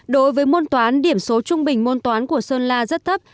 đối với môn toán điểm số trung bình môn toán của sơn la rất thấp